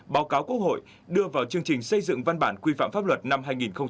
báo cáo quốc hội đưa vào chương trình xây dựng văn bản quy phạm pháp luật năm hai nghìn hai mươi